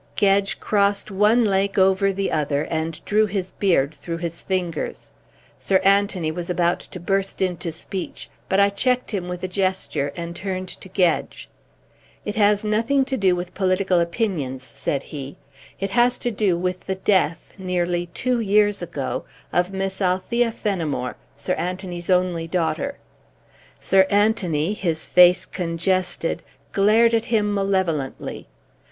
Gedge crossed one leg over the other and drew his beard through his fingers. Sir Anthony was about to burst into speech, but I checked him with a gesture and turned to Gedge. "It has nothing to do with political opinions," said he. "It has to do with the death, nearly two years ago, of Miss Althea Fenimore, Sir Anthony's only daughter." Sir Anthony, his face congested, glared at him malevolently.